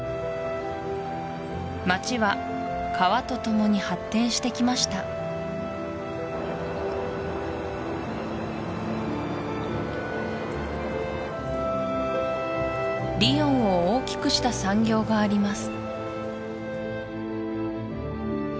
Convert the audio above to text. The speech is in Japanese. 街は川とともに発展してきましたリヨンを大きくした産業があります